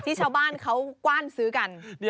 ชาวบ้านเขากว้านซื้อกัน